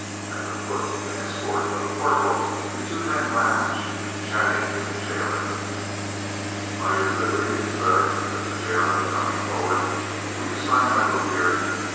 At the foot an escort of a corporal and two men lounged, chattering with the gaoler. "By your good leave, sir," says the gaoler, com ing forward, "will you sign my book here?"